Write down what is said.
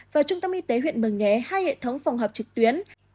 và trung tâm y tế huyện mờ nghé hai hệ thống phòng họp trực tuyến